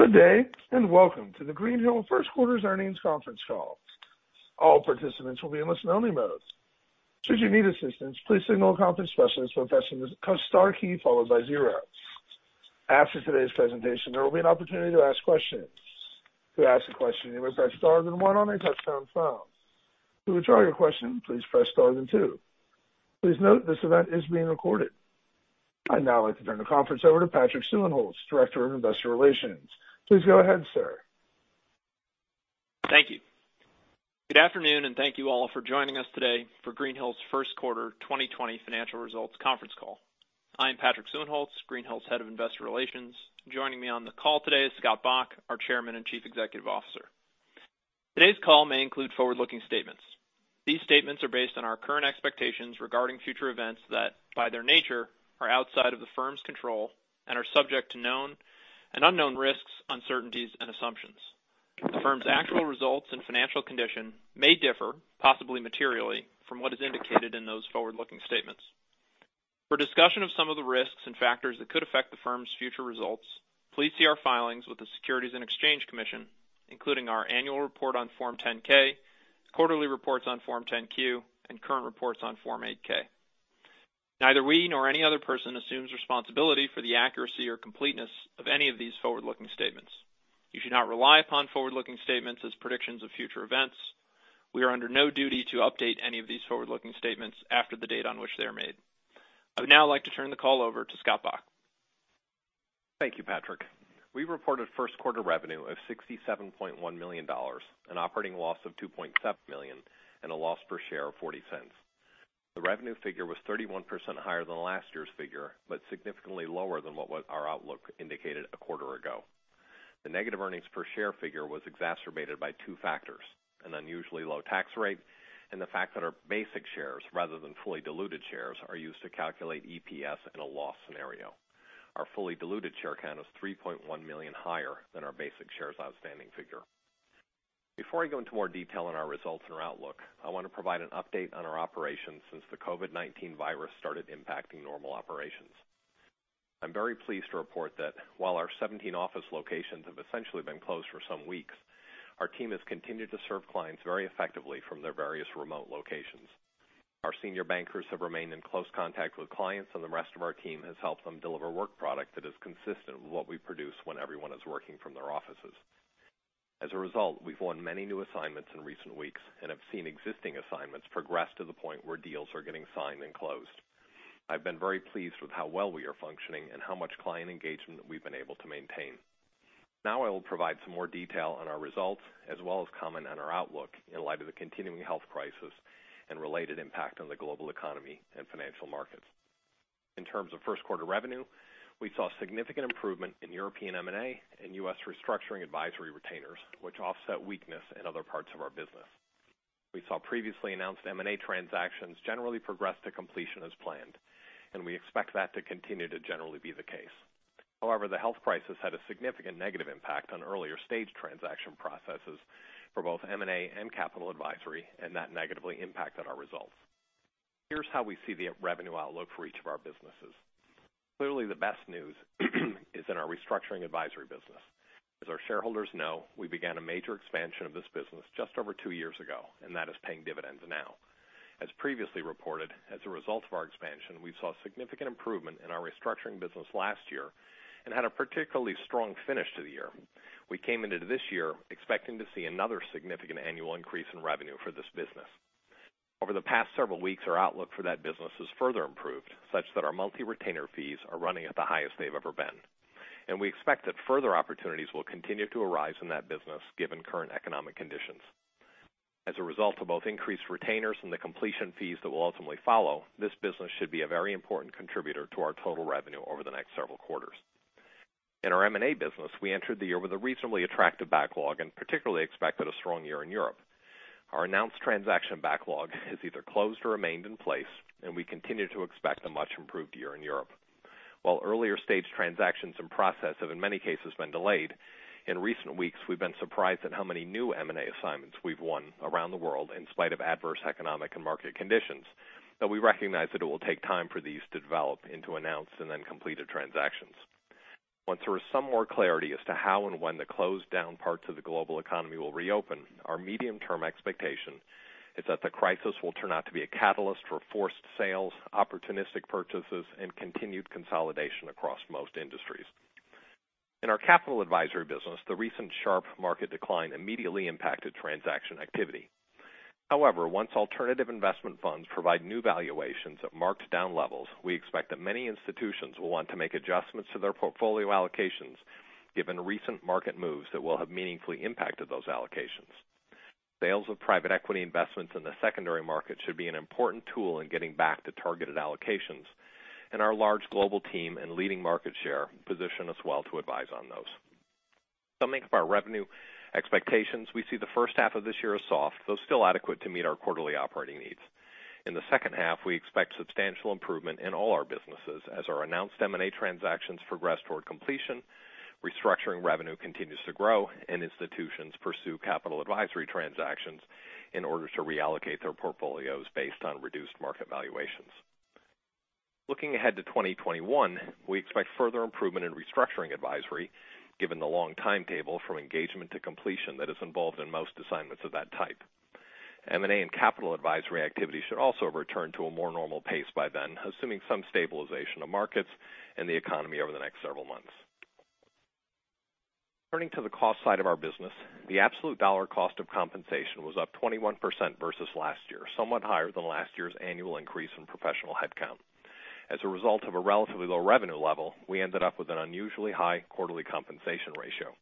Good day, and welcome to the Greenhill First Quarter Earnings Conference Call. All participants will be in listen-only mode. Should you need assistance, please signal a conference specialist by pressing the star key followed by zero. After today's presentation, there will be an opportunity to ask questions. To ask a question, you may press star then one on a touch-tone phone. To withdraw your question, please press star then two. Please note, this event is being recorded. I'd now like to turn the conference over to Patrick Suehnholz, Director of Investor Relations. Please go ahead, sir. Thank you. Good afternoon, and thank you all for joining us today for Greenhill's First Quarter 2020 Financial Results Conference Call. I am Patrick Suehnholz, Greenhill's Head of Investor Relations. Joining me on the call today is Scott Bok, our Chairman and Chief Executive Officer. Today's call may include forward-looking statements. These statements are based on our current expectations regarding future events that, by their nature, are outside of the firm's control and are subject to known and unknown risks, uncertainties, and assumptions. The firm's actual results and financial condition may differ, possibly materially, from what is indicated in those forward-looking statements. For discussion of some of the risks and factors that could affect the firm's future results, please see our filings with the Securities and Exchange Commission, including our annual report on Form 10-K, quarterly reports on Form 10-Q, and current reports on Form 8-K. Neither we nor any other person assumes responsibility for the accuracy or completeness of any of these forward-looking statements. You should not rely upon forward-looking statements as predictions of future events. We are under no duty to update any of these forward-looking statements after the date on which they are made. I would now like to turn the call over to Scott Bok. Thank you, Patrick. We reported first quarter revenue of $67.1 million, an operating loss of $2.7 million, and a loss per share of $0.40. The revenue figure was 31% higher than last year's figure, but significantly lower than what was our outlook indicated a quarter ago. The negative earnings per share figure was exacerbated by two factors: an unusually low tax rate, and the fact that our basic shares, rather than fully diluted shares, are used to calculate EPS in a loss scenario. Our fully diluted share count is 3.1 million higher than our basic shares outstanding figure. Before I go into more detail on our results and our outlook, I want to provide an update on our operations since the COVID-19 virus started impacting normal operations. I'm very pleased to report that while our 17 office locations have essentially been closed for some weeks, our team has continued to serve clients very effectively from their various remote locations. Our senior bankers have remained in close contact with clients, and the rest of our team has helped them deliver work product that is consistent with what we produce when everyone is working from their offices. As a result, we've won many new assignments in recent weeks and have seen existing assignments progress to the point where deals are getting signed and closed. I've been very pleased with how well we are functioning and how much client engagement we've been able to maintain. Now I will provide some more detail on our results, as well as comment on our outlook in light of the continuing health crisis and related impact on the global economy and financial markets. In terms of first quarter revenue, we saw significant improvement in European M&A and U.S. restructuring advisory retainers, which offset weakness in other parts of our business. We saw previously announced M&A transactions generally progress to completion as planned, and we expect that to continue to generally be the case. However, the health crisis had a significant negative impact on earlier-stage transaction processes for both M&A and capital advisory, and that negatively impacted our results. Here's how we see the revenue outlook for each of our businesses. Clearly, the best news is in our restructuring advisory business. As our shareholders know, we began a major expansion of this business just over two years ago, and that is paying dividends now. As previously reported, as a result of our expansion, we saw significant improvement in our restructuring business last year and had a particularly strong finish to the year. We came into this year expecting to see another significant annual increase in revenue for this business. Over the past several weeks, our outlook for that business has further improved, such that our monthly retainer fees are running at the highest they've ever been, and we expect that further opportunities will continue to arise in that business, given current economic conditions. As a result of both increased retainers and the completion fees that will ultimately follow, this business should be a very important contributor to our total revenue over the next several quarters. In our M&A business, we entered the year with a reasonably attractive backlog and particularly expected a strong year in Europe. Our announced transaction backlog has either closed or remained in place, and we continue to expect a much improved year in Europe. While earlier-stage transactions and processes have in many cases been delayed, in recent weeks, we've been surprised at how many new M&A assignments we've won around the world in spite of adverse economic and market conditions, but we recognize that it will take time for these to develop into announced and then completed transactions. Once there is some more clarity as to how and when the closed down parts of the global economy will reopen, our medium-term expectation is that the crisis will turn out to be a catalyst for forced sales, opportunistic purchases, and continued consolidation across most industries. In our capital advisory business, the recent sharp market decline immediately impacted transaction activity. However, once alternative investment funds provide new valuations at marked-down levels, we expect that many institutions will want to make adjustments to their portfolio allocations, given recent market moves that will have meaningfully impacted those allocations. Sales of private equity investments in the secondary market should be an important tool in getting back to targeted allocations, and our large global team and leading market share position us well to advise on those. Summing up our revenue expectations, we see the first half of this year as soft, though still adequate to meet our quarterly operating needs. In the second half, we expect substantial improvement in all our businesses as our announced M&A transactions progress toward completion, restructuring revenue continues to grow, and institutions pursue capital advisory transactions in order to reallocate their portfolios based on reduced market valuations. Looking ahead to 2021, we expect further improvement in restructuring advisory, given the long timetable from engagement to completion that is involved in most assignments of that type. M&A and capital advisory activity should also return to a more normal pace by then, assuming some stabilization of markets and the economy over the next several months. Turning to the cost side of our business, the absolute dollar cost of compensation was up 21% versus last year, somewhat higher than last year's annual increase in professional headcount. As a result of a relatively low revenue level, we ended up with an unusually high quarterly compensation ratio.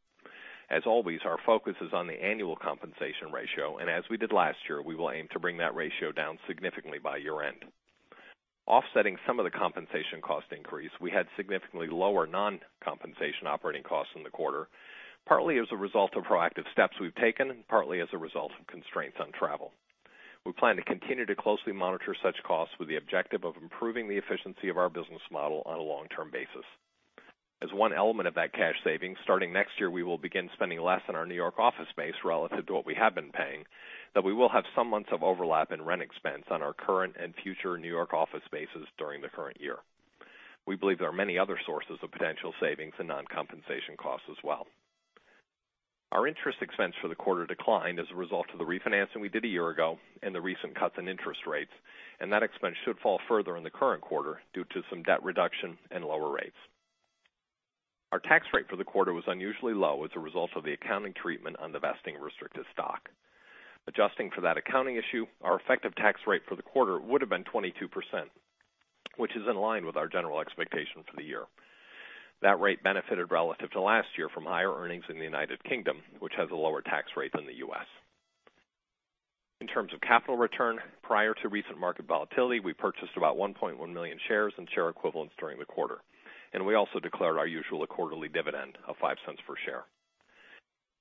As always, our focus is on the annual compensation ratio, and as we did last year, we will aim to bring that ratio down significantly by year-end. Offsetting some of the compensation cost increase, we had significantly lower non-compensation operating costs in the quarter, partly as a result of proactive steps we've taken, and partly as a result of constraints on travel. We plan to continue to closely monitor such costs with the objective of improving the efficiency of our business model on a long-term basis. As one element of that cash saving, starting next year, we will begin spending less in our New York office space relative to what we have been paying, that we will have some months of overlap in rent expense on our current and future New York office spaces during the current year. We believe there are many other sources of potential savings and non-compensation costs as well. Our interest expense for the quarter declined as a result of the refinancing we did a year ago and the recent cuts in interest rates, and that expense should fall further in the current quarter due to some debt reduction and lower rates. Our tax rate for the quarter was unusually low as a result of the accounting treatment on the vesting restricted stock. Adjusting for that accounting issue, our effective tax rate for the quarter would have been 22%, which is in line with our general expectation for the year. That rate benefited relative to last year from higher earnings in the United Kingdom, which has a lower tax rate than the U.S. In terms of capital return, prior to recent market volatility, we purchased about 1.1 million shares and share equivalents during the quarter, and we also declared our usual quarterly dividend of $0.05 per share.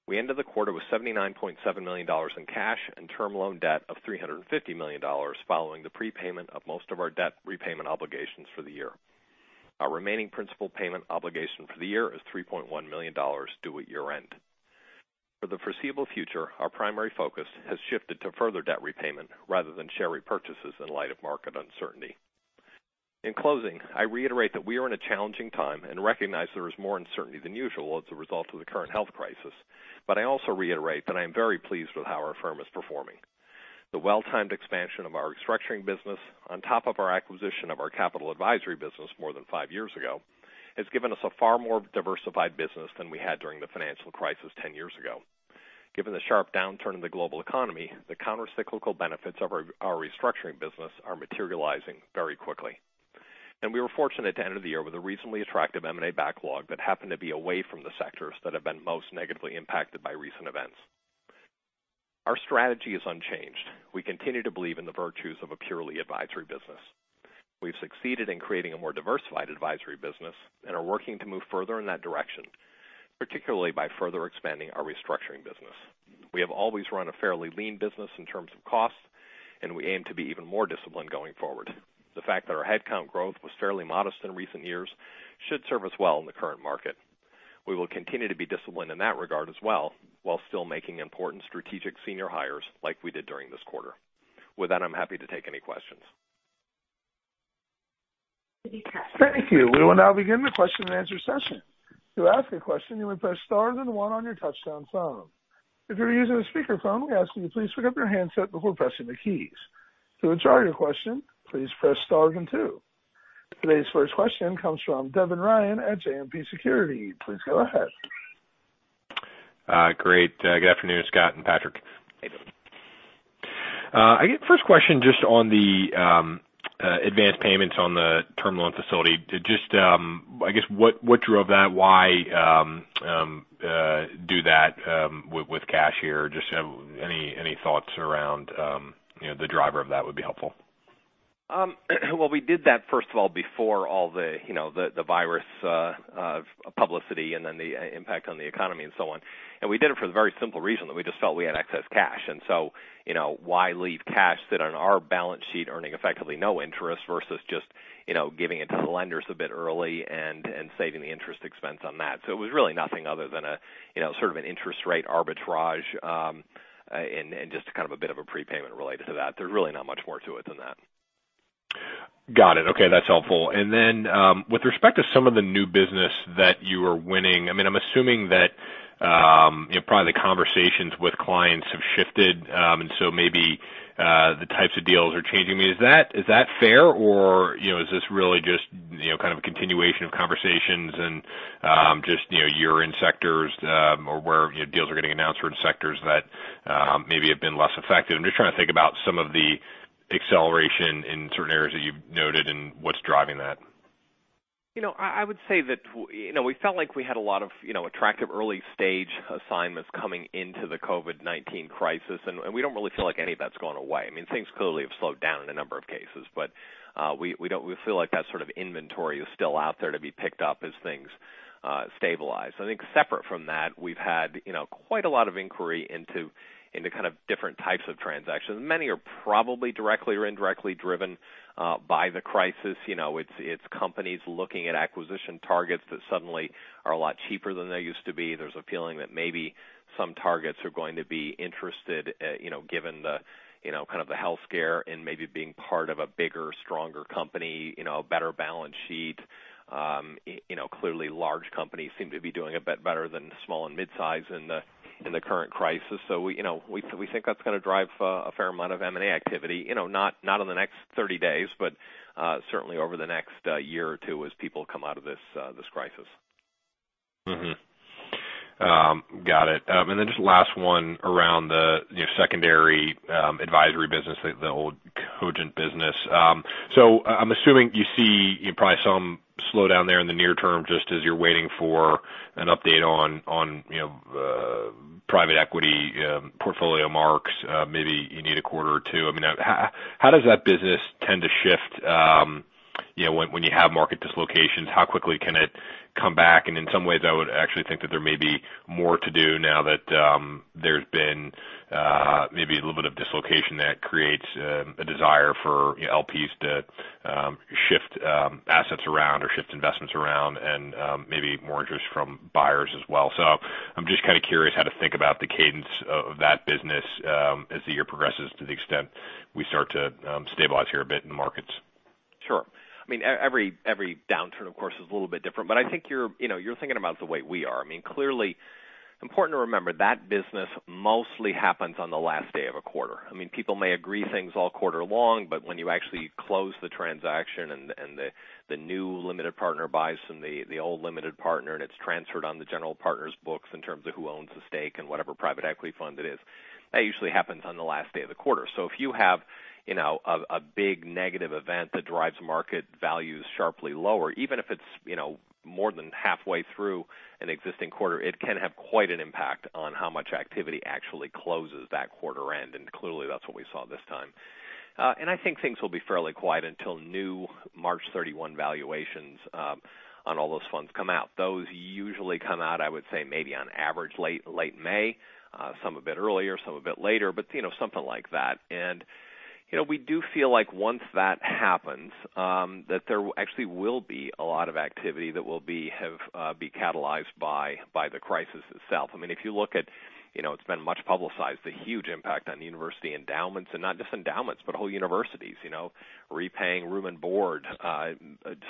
We ended the quarter with $79.7 million in cash and term loan debt of $350 million, following the prepayment of most of our debt repayment obligations for the year. Our remaining principal payment obligation for the year is $3.1 million due at year-end. For the foreseeable future, our primary focus has shifted to further debt repayment rather than share repurchases in light of market uncertainty. In closing, I reiterate that we are in a challenging time and recognize there is more uncertainty than usual as a result of the current health crisis. But I also reiterate that I am very pleased with how our firm is performing. The well-timed expansion of our restructuring business, on top of our acquisition of our capital advisory business more than five years ago, has given us a far more diversified business than we had during the financial crisis 10 years ago. Given the sharp downturn in the global economy, the countercyclical benefits of our restructuring business are materializing very quickly, and we were fortunate to end the year with a reasonably attractive M&A backlog that happened to be away from the sectors that have been most negatively impacted by recent events. Our strategy is unchanged. We continue to believe in the virtues of a purely advisory business. We've succeeded in creating a more diversified advisory business and are working to move further in that direction, particularly by further expanding our restructuring business. We have always run a fairly lean business in terms of cost, and we aim to be even more disciplined going forward. The fact that our headcount growth was fairly modest in recent years should serve us well in the current market. We will continue to be disciplined in that regard as well, while still making important strategic senior hires like we did during this quarter. With that, I'm happy to take any questions. Thank you. We will now begin the question-and-answer session. To ask a question, you may press star then one on your touch-tone phone. If you're using a speakerphone, we ask you to please pick up your handset before pressing the keys. To withdraw your question, please press star then two. Today's first question comes from Devin Ryan at JMP Securities. Please go ahead. Great. Good afternoon, Scott and Patrick. Hey. I guess first question, just on the advanced payments on the term loan facility. Just, I guess, what, what drove that? Why, do that, with, with cash here? Just, any, any thoughts around, you know, the driver of that would be helpful. Well, we did that, first of all, before all the, you know, the virus publicity and then the impact on the economy and so on. We did it for the very simple reason that we just felt we had excess cash. So, you know, why leave cash sit on our balance sheet, earning effectively no interest, versus just, you know, giving it to the lenders a bit early and saving the interest expense on that? So it was really nothing other than a, you know, sort of an interest rate arbitrage and just kind of a bit of a prepayment related to that. There's really not much more to it than that. Got it. Okay, that's helpful. And then, with respect to some of the new business that you are winning, I mean, I'm assuming that, you know, probably the conversations with clients have shifted, and so maybe, the types of deals are changing. I mean, is that, is that fair? Or, you know, is this really just, you know, kind of a continuation of conversations and, just, you know, you're in sectors, or where, you know, deals are getting announced or in sectors that, maybe have been less affected? I'm just trying to think about some of the acceleration in certain areas that you've noted and what's driving that. You know, I would say that you know, we felt like we had a lot of, you know, attractive early stage assignments coming into the COVID-19 crisis, and we don't really feel like any of that's gone away. I mean, things clearly have slowed down in a number of cases, but we feel like that sort of inventory is still out there to be picked up as things stabilize. I think separate from that, we've had, you know, quite a lot of inquiry into kind of different types of transactions. Many are probably directly or indirectly driven by the crisis. You know, it's companies looking at acquisition targets that suddenly are a lot cheaper than they used to be. There's a feeling that maybe some targets are going to be interested, you know, given the, you know, kind of the health scare and maybe being part of a bigger, stronger company, you know, a better balance sheet. You know, clearly large companies seem to be doing a bit better than small and mid-size in the current crisis. So, you know, we think that's gonna drive a fair amount of M&A activity, you know, not in the next 30 days, but certainly over the next year or two as people come out of this crisis.... Mm-hmm. Got it. And then just last one around the, you know, secondary advisory business, the old Cogent business. So, I'm assuming you see probably some slowdown there in the near term, just as you're waiting for an update on, you know, private equity portfolio marks. Maybe you need a quarter or two. I mean, how does that business tend to shift, you know, when you have market dislocations? How quickly can it come back? And in some ways, I would actually think that there may be more to do now that there's been maybe a little bit of dislocation that creates a desire for, you know, LPs to shift assets around or shift investments around and maybe more interest from buyers as well. So I'm just kind of curious how to think about the cadence of that business as the year progresses, to the extent we start to stabilize here a bit in the markets. Sure. I mean, every downturn, of course, is a little bit different. But I think you're, you know, you're thinking about it the way we are. I mean, clearly important to remember that business mostly happens on the last day of a quarter. I mean, people may agree things all quarter long, but when you actually close the transaction and the new limited partner buys from the old limited partner, and it's transferred on the general partner's books in terms of who owns the stake and whatever private equity fund it is, that usually happens on the last day of the quarter. So if you have, you know, a big negative event that drives market values sharply lower, even if it's, you know, more than halfway through an existing quarter, it can have quite an impact on how much activity actually closes that quarter end, and clearly, that's what we saw this time. And I think things will be fairly quiet until new March 31 valuations on all those funds come out. Those usually come out, I would say, maybe on average, late May. Some a bit earlier, some a bit later, but, you know, something like that. And, you know, we do feel like once that happens, that there actually will be a lot of activity that will be catalyzed by the crisis itself. I mean, if you look at, you know, it's been much publicized, the huge impact on university endowments, and not just endowments, but whole universities, you know, repaying room and board,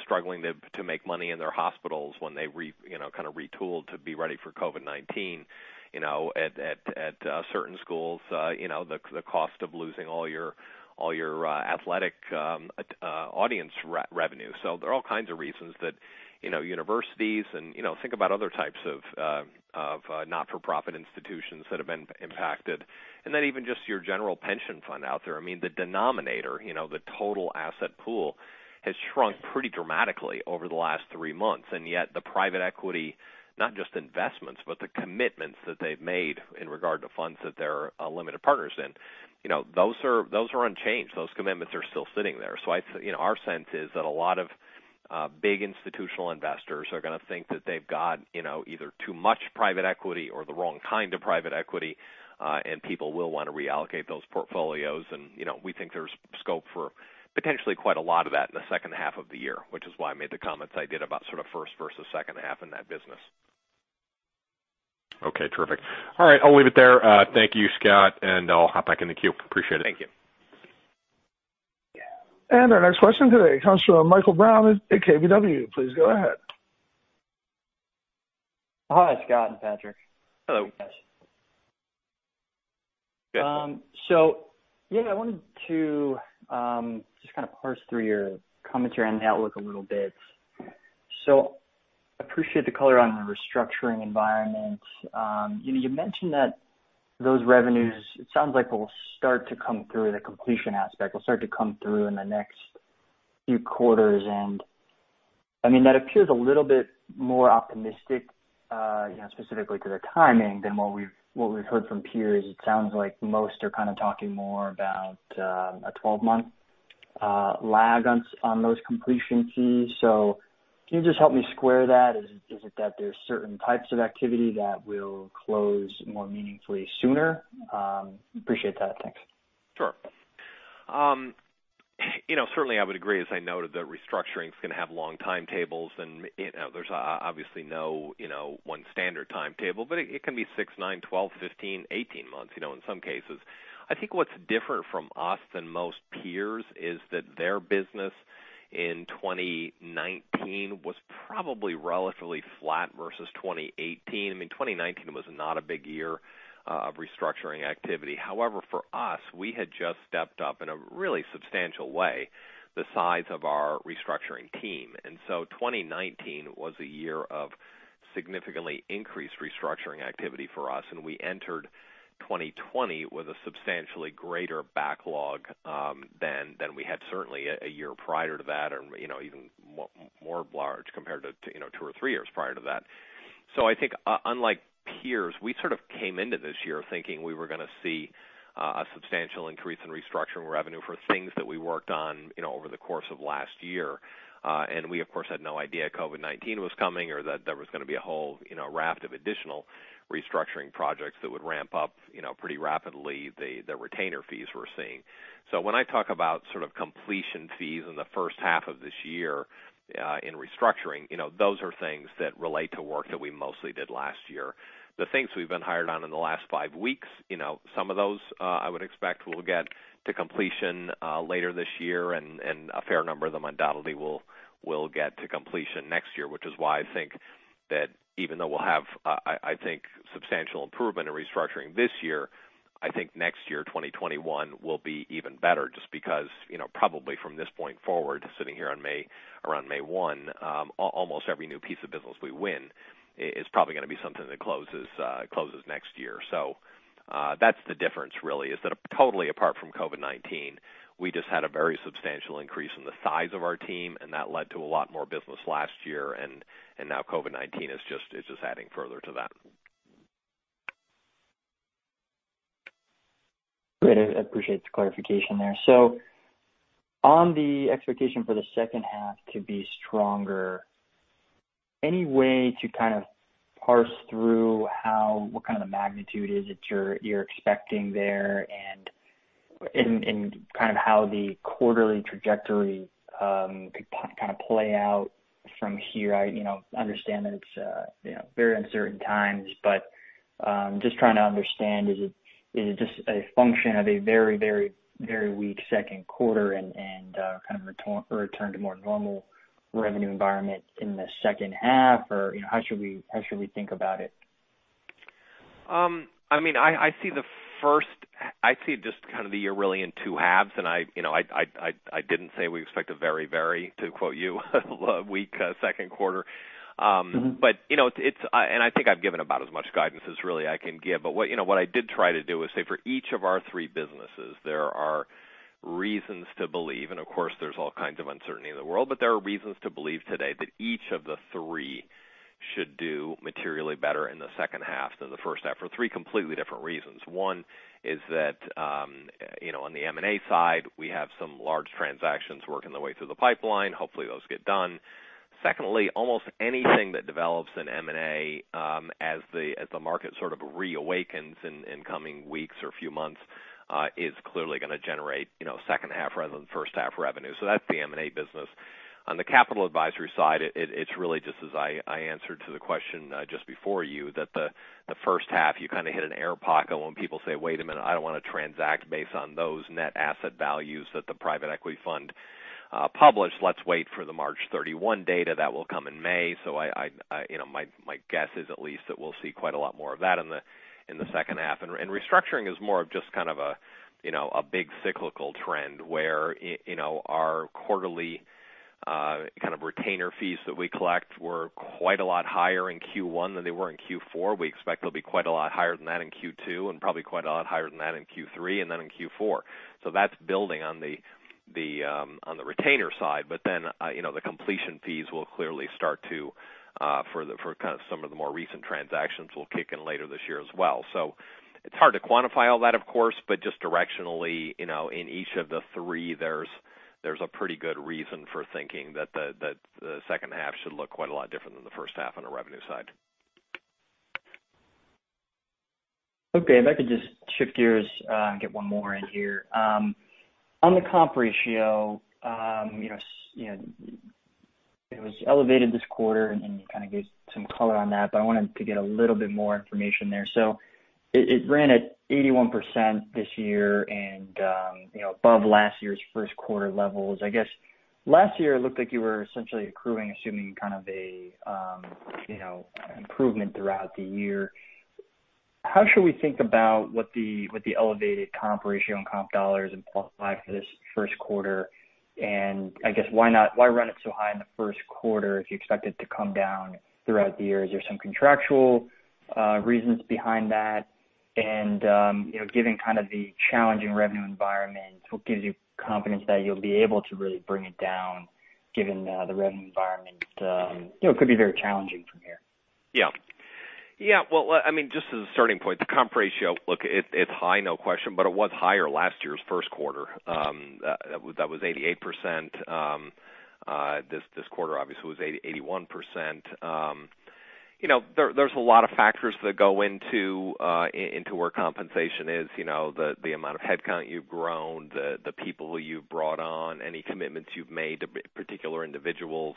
struggling to make money in their hospitals when they, you know, kind of retooled to be ready for COVID-19, you know, at certain schools, you know, the cost of losing all your athletic audience revenue. So there are all kinds of reasons that, you know, universities and, you know, think about other types of not-for-profit institutions that have been impacted, and then even just your general pension fund out there. I mean, the denominator, you know, the total asset pool, has shrunk pretty dramatically over the last three months, and yet the private equity, not just investments, but the commitments that they've made in regard to funds that they're, limited partners in, you know, those are, those are unchanged. Those commitments are still sitting there. So, you know, our sense is that a lot of big institutional investors are gonna think that they've got, you know, either too much private equity or the wrong kind of private equity, and people will want to reallocate those portfolios. And, you know, we think there's scope for potentially quite a lot of that in the second half of the year, which is why I made the comments I did about sort of first versus second half in that business. Okay, terrific. All right, I'll leave it there. Thank you, Scott, and I'll hop back in the queue. Appreciate it. Thank you. Our next question today comes from Michael Brown at KBW. Please go ahead. Hi, Scott and Patrick. Hello. So yeah, I wanted to, just kind of parse through your commentary on the outlook a little bit. So appreciate the color on the restructuring environment. You know, you mentioned that those revenues, it sounds like, will start to come through the completion aspect, will start to come through in the next few quarters. And I mean, that appears a little bit more optimistic, you know, specifically to the timing than what we've, what we've heard from peers. It sounds like most are kind of talking more about, a 12-month, lag on, on those completion fees. So can you just help me square that? Is it that there's certain types of activity that will close more meaningfully sooner? Appreciate that. Thanks. Sure. You know, certainly I would agree, as I noted, that restructuring is gonna have long timetables, and, you know, there's obviously no, you know, one standard timetable, but it can be 6, 9, 12, 15, 18 months, you know, in some cases. I think what's different from us than most peers is that their business in 2019 was probably relatively flat versus 2018. I mean, 2019 was not a big year of restructuring activity. However, for us, we had just stepped up in a really substantial way, the size of our restructuring team. And so 2019 was a year of significantly increased restructuring activity for us, and we entered 2020 with a substantially greater backlog than we had certainly a year prior to that, or, you know, even more large compared to, you know, two or three years prior to that. So I think unlike peers, we sort of came into this year thinking we were gonna see a substantial increase in restructuring revenue for things that we worked on, you know, over the course of last year. And we, of course, had no idea COVID-19 was coming or that there was gonna be a whole, you know, raft of additional restructuring projects that would ramp up, you know, pretty rapidly, the retainer fees we're seeing. So when I talk about sort of completion fees in the first half of this year, in restructuring, you know, those are things that relate to work that we mostly did last year. The things we've been hired on in the last five weeks, you know, some of those, I would expect will get to completion later this year, and a fair number of them, undoubtedly, will get to completion next year, which is why I think that even though we'll have substantial improvement in restructuring this year, I think next year, 2021, will be even better just because, you know, probably from this point forward, sitting here on May 1, almost every new piece of business we win is probably gonna be something that closes next year. That's the difference really, is that totally apart from COVID-19, we just had a very substantial increase in the size of our team, and that led to a lot more business last year, and now COVID-19 is just adding further to that. Great. I appreciate the clarification there. So on the expectation for the second half to be stronger, any way to kind of parse through how, what kind of magnitude is it you're, you're expecting there, and, and, and kind of how the quarterly trajectory, could kind of play out from here? I, you know, understand that it's, you know, very uncertain times, but, just trying to understand, is it, is it just a function of a very, very, very weak second quarter and, and, kind of return to more normal revenue environment in the second half? Or, you know, how should we, how should we think about it? I mean, I see just kind of the year really in 2/2. And, you know, I didn't say we expect a very, very, to quote you, weak second quarter. Mm-hmm. But, you know, and I think I've given about as much guidance as really I can give. But, you know, what I did try to do is say for each of our three businesses, there are reasons to believe, and of course, there's all kinds of uncertainty in the world, but there are reasons to believe today that each of the three should do materially better in the second half than the first half, for three completely different reasons. One is that, you know, on the M&A side, we have some large transactions working their way through the pipeline. Hopefully, those get done. Secondly, almost anything that develops in M&A, as the market sort of reawakens in coming weeks or few months, is clearly gonna generate, you know, second half rather than first half revenue. So that's the M&A business. On the capital advisory side, it's really just as I answered to the question just before you, that the first half, you kind of hit an air pocket when people say, "Wait a minute, I don't want to transact based on those net asset values that the private equity fund published. Let's wait for the March 31 data that will come in May." So, you know, my guess is at least that we'll see quite a lot more of that in the second half. And restructuring is more of just kind of a, you know, a big cyclical trend, where you know, our quarterly kind of retainer fees that we collect were quite a lot higher in Q1 than they were in Q4. We expect they'll be quite a lot higher than that in Q2, and probably quite a lot higher than that in Q3 and then in Q4. So that's building on the retainer side, but then, you know, the completion fees will clearly start to for kind of some of the more recent transactions, will kick in later this year as well. So it's hard to quantify all that, of course, but just directionally, you know, in each of the three, there's a pretty good reason for thinking that the second half should look quite a lot different than the first half on the revenue side. Okay. If I could just shift gears and get one more in here. On the comp ratio, you know, you know, it was elevated this quarter, and you kind of gave some color on that, but I wanted to get a little bit more information there. So it ran at 81% this year and, you know, above last year's first quarter levels. I guess last year, it looked like you were essentially accruing, assuming kind of a, you know, improvement throughout the year. How should we think about what the, what the elevated comp ratio and comp dollars imply for this first quarter? And I guess why not- why run it so high in the first quarter if you expect it to come down throughout the year? Is there some contractual reasons behind that? And, you know, given kind of the challenging revenue environment, what gives you confidence that you'll be able to really bring it down, given the revenue environment? You know, it could be very challenging from here. Yeah. Yeah. Well, I mean, just as a starting point, the comp ratio, look, it's high, no question, but it was higher last year's first quarter. That was 88%. This quarter obviously was 81%. You know, there's a lot of factors that go into where compensation is, you know, the amount of headcount you've grown, the people you've brought on, any commitments you've made to particular individuals,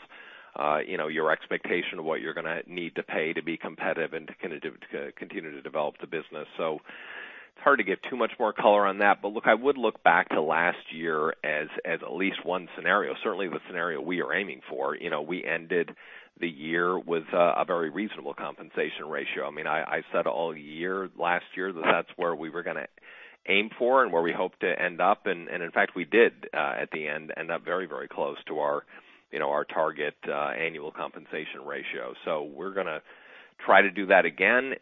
you know, your expectation of what you're gonna need to pay to be competitive and to kind of continue to develop the business. So it's hard to give too much more color on that. But look, I would look back to last year as at least one scenario, certainly the scenario we are aiming for. You know, we ended the year with a very reasonable compensation ratio. I mean, I said all year, last year, that that's where we were gonna aim for and where we hoped to end up. And in fact, we did at the end up very, very close to our, you know, our target annual compensation ratio. So we're gonna try to do that again.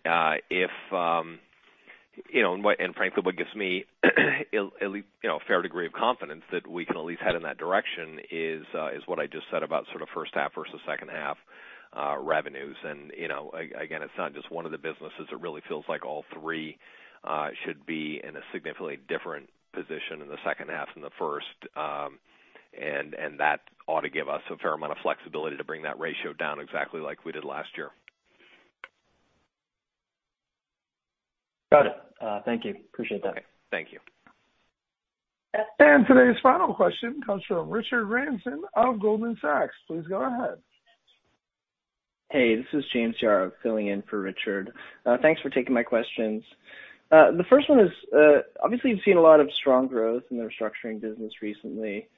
If you know, and frankly, what gives me you know, a fair degree of confidence that we can at least head in that direction is what I just said about sort of first half versus second half revenues. And, you know, again, it's not just one of the businesses. It really feels like all three should be in a significantly different position in the second half than the first. And that ought to give us a fair amount of flexibility to bring that ratio down exactly like we did last year. Got it. Thank you. Appreciate that. Okay. Thank you. Today's final question comes from Richard Ramsden of Goldman Sachs. Please go ahead. Hey, this is James Yaro filling in for Richard. Thanks for taking my questions. The first one is, obviously, you've seen a lot of strong growth in the restructuring business recently.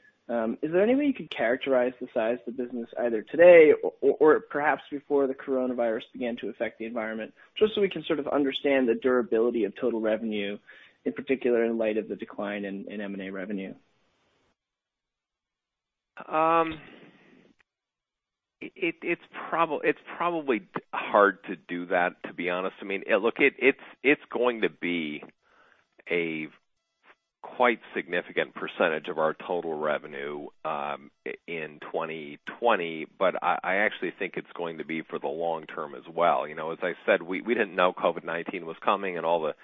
Is there any way you could characterize the size of the business, either today or, or perhaps before the coronavirus began to affect the environment, just so we can sort of understand the durability of total revenue, in particular, in light of the decline in M&A revenue? It's probably hard to do that, to be honest. I mean, look, it's going to be a quite significant percentage of our total revenue in 2020, but I actually think it's going to be for the long term as well. You know, as I said, we didn't know COVID-19 was coming and all the,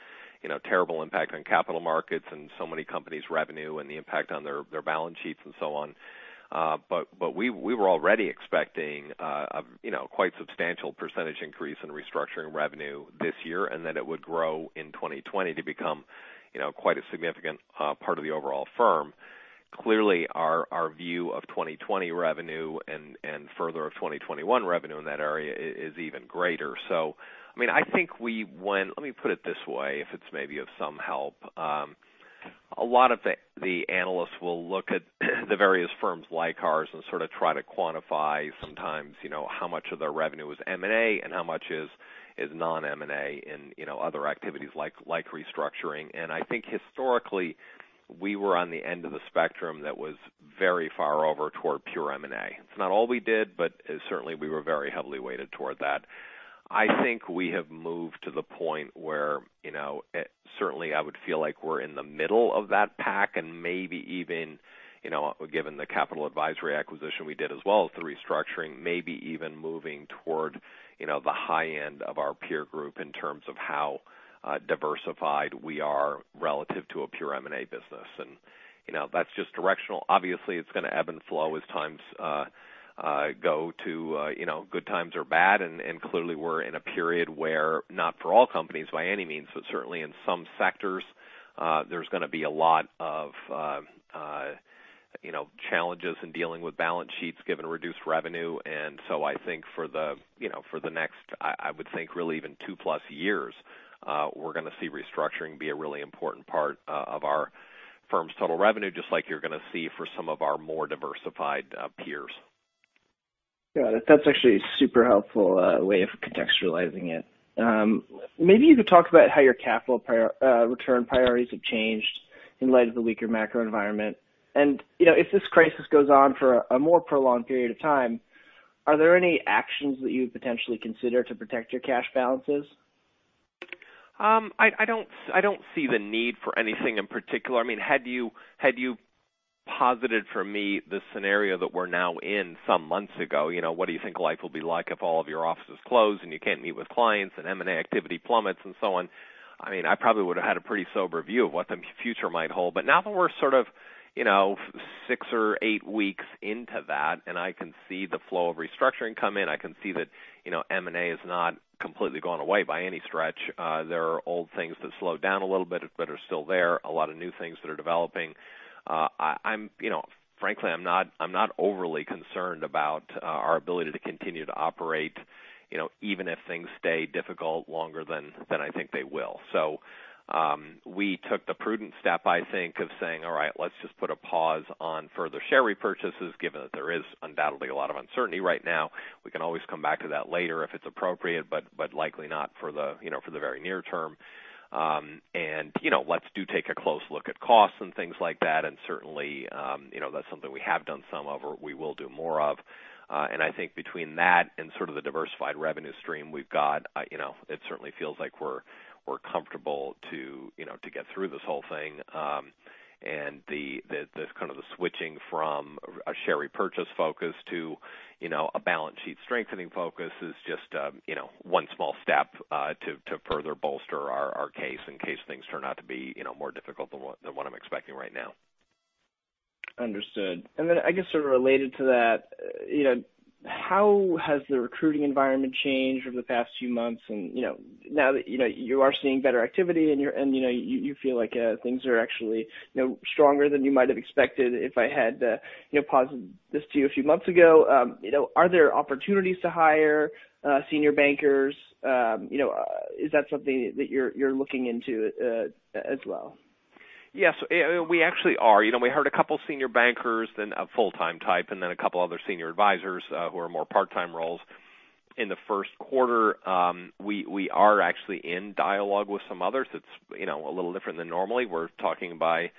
you know, terrible impact on capital markets and so many companies' revenue and the impact on their balance sheets and so on. But we were already expecting, you know, a quite substantial percentage increase in restructuring revenue this year, and that it would grow in 2020 to become, you know, quite a significant part of the overall firm. Clearly, our view of 2020 revenue and further, of 2021 revenue in that area is even greater. So, I mean, I think we went, let me put it this way, if it's maybe of some help. A lot of the analysts will look at the various firms like ours and sort of try to quantify sometimes, you know, how much of their revenue is M&A and how much is non-M&A, and, you know, other activities like restructuring. And I think historically, we were on the end of the spectrum that was very far over toward pure M&A. It's not all we did, but certainly, we were very heavily weighted toward that. I think we have moved to the point where, you know, certainly I would feel like we're in the middle of that pack and maybe even, you know, given the capital advisory acquisition we did, as well as the restructuring, maybe even moving toward, you know, the high end of our peer group in terms of how, diversified we are relative to a pure M&A business. And, you know, that's just directional. Obviously, it's gonna ebb and flow as times, go to, you know, good times or bad. And, clearly, we're in a period where, not for all companies by any means, but certainly in some sectors, there's gonna be a lot of, you know, challenges in dealing with balance sheets, given reduced revenue. And so I think for the, you know, for the next, I would think really even 2+ years, we're gonna see restructuring be a really important part of our firm's total revenue, just like you're gonna see for some of our more diversified peers. Yeah, that's actually a super helpful way of contextualizing it. Maybe you could talk about how your capital return priorities have changed in light of the weaker macro environment. And, you know, if this crisis goes on for a more prolonged period of time, are there any actions that you would potentially consider to protect your cash balances? I don't see the need for anything in particular. I mean, had you posited for me the scenario that we're now in some months ago, you know, what do you think life will be like if all of your offices close, and you can't meet with clients, and M&A activity plummets and so on? I mean, I probably would have had a pretty sober view of what the future might hold. But now that we're sort of, you know, six or eight weeks into that, and I can see the flow of restructuring come in, I can see that, you know, M&A is not completely gone away by any stretch. There are old things that slowed down a little bit but are still there, a lot of new things that are developing. I'm -- you know, frankly, I'm not, I'm not overly concerned about our ability to continue to operate, you know, even if things stay difficult longer than I think they will. So, we took the prudent step, I think, of saying, "All right, let's just put a pause on further share repurchases, given that there is undoubtedly a lot of uncertainty right now. We can always come back to that later if it's appropriate, but likely not for the, you know, for the very near term. And, you know, let's do take a close look at costs and things like that," and certainly, you know, that's something we have done some of, or we will do more of. And I think between that and sort of the diversified revenue stream we've got, you know, it certainly feels like we're comfortable, you know, to get through this whole thing. And the kind of switching from a share repurchase focus to, you know, a balance sheet strengthening focus is just, you know, one small step to further bolster our case, in case things turn out to be, you know, more difficult than what I'm expecting right now. Understood. And then, I guess, sort of related to that, you know, how has the recruiting environment changed over the past few months? You know, now that you know, you are seeing better activity, and you're, you know, you feel like things are actually, you know, stronger than you might have expected if I had, you know, posited this to you a few months ago. You know, are there opportunities to hire senior bankers? You know, is that something that you're looking into, as well? Yes, we actually are. You know, we hired a couple of senior bankers, then a full-time type, and then a couple other senior advisors who are more part-time roles in the first quarter. We are actually in dialogue with some others. It's, you know, a little different than normally. We're talking by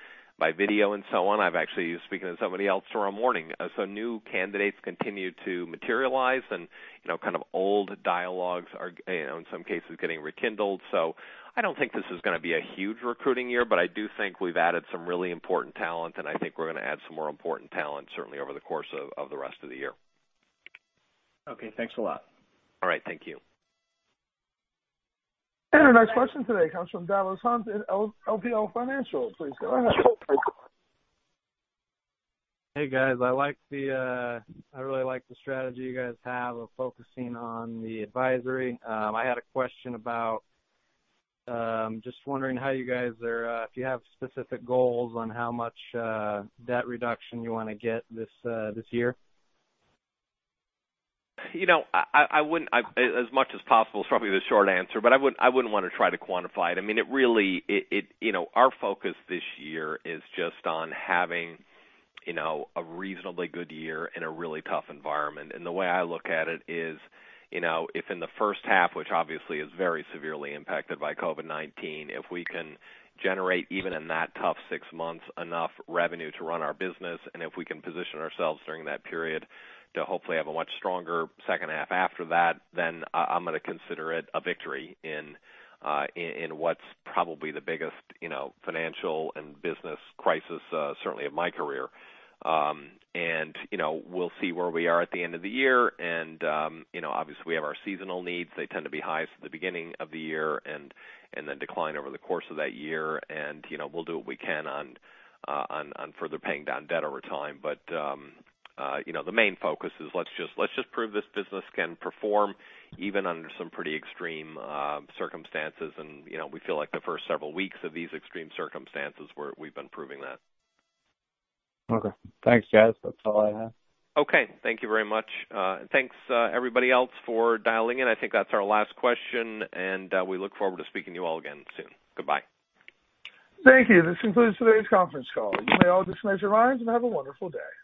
video and so on. I'm actually speaking to somebody else tomorrow morning. So new candidates continue to materialize, and, you know, kind of old dialogues are, you know, in some cases, getting rekindled. So I don't think this is gonna be a huge recruiting year, but I do think we've added some really important talent, and I think we're gonna add some more important talent, certainly over the course of the rest of the year. Okay, thanks a lot. All right. Thank you. And our next question today comes from Dallas Hunt in LPL Financial. Please go ahead. Hey, guys. I like the... I really like the strategy you guys have of focusing on the advisory. I had a question about, just wondering how you guys are, if you have specific goals on how much, debt reduction you wanna get this, this year? You know, I wouldn't—I as much as possible is probably the short answer, but I wouldn't want to try to quantify it. I mean, it really—you know, our focus this year is just on having, you know, a reasonably good year in a really tough environment. And the way I look at it is, you know, if in the first half, which obviously is very severely impacted by COVID-19, if we can generate, even in that tough six months, enough revenue to run our business, and if we can position ourselves during that period to hopefully have a much stronger second half after that, then I'm gonna consider it a victory in what's probably the biggest, you know, financial and business crisis certainly of my career. And, you know, we'll see where we are at the end of the year. And, you know, obviously, we have our seasonal needs. They tend to be highest at the beginning of the year and then decline over the course of that year. And, you know, we'll do what we can on further paying down debt over time. But, you know, the main focus is let's just, let's just prove this business can perform even under some pretty extreme circumstances. And, you know, we feel like the first several weeks of these extreme circumstances, we've been proving that. Okay. Thanks, guys. That's all I have. Okay, thank you very much. Thanks, everybody else, for dialing in. I think that's our last question, and we look forward to speaking to you all again soon. Goodbye. Thank you. This concludes today's conference call. You may all disconnect your lines and have a wonderful day.